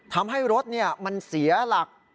ทำให้รถมันเสียหลัก